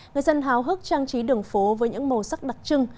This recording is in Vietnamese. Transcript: người dân hào hức trang trí đường phố với những màu sắc đặc trưng